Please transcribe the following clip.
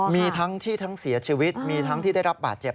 มีทั้งที่ทั้งเสียชีวิตมีทั้งที่ได้รับบาดเจ็บ